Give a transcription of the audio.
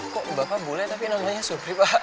kok bapak boleh tapi namanya supri pak